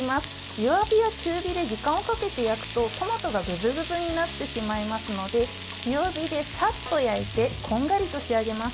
弱火や中火で時間をかけて焼くとトマトがぐずぐずになってしまいますので強火でさっと焼いてこんがりと仕上げます。